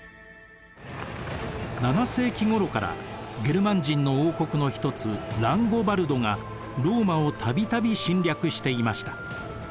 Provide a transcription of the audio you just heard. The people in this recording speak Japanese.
７世紀ごろからゲルマン人の王国の一つランゴバルドがローマをたびたび侵略していました。